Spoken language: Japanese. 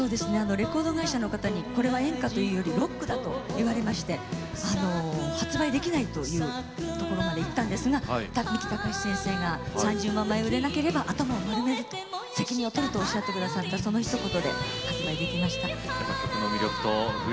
レコード会社の方にこれは演歌というよりロックだといわれまして発売できないというところまでいったんですが三木たかし先生が３０万枚いかなければ頭を丸めると責任を取るとおっしゃってくださるというひと言で発売できました。